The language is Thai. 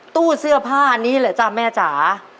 ตู้เสื้อผ้านี้เหรอจ้ะแม่จ๋า